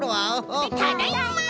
ただいま！